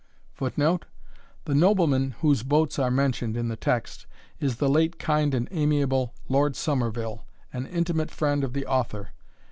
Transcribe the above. [Footnote: The nobleman whose boats are mentioned in the text, is the late kind and amiable Lord Sommerville, an intimate friend of the author.